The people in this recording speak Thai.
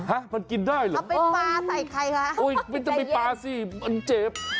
ฮะมันกินได้หรือเอาไปปลาใส่ใครคะมันเจ็บ